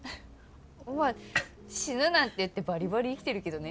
まあ死ぬなんて言ってバリバリ生きてるけどね。